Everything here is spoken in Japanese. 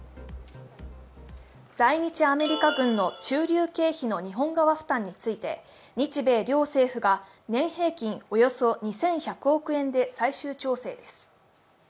在日アメリカ軍の駐留経費の日本側負担について日米両政府が年平均およそ２１００億円で最終調整です。